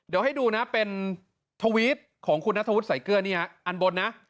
เดี๋ยวให้ดูนะเป็นทวิตของคุณนัทธวุฒิใส่เกลือนี่ฮะอันบนนะ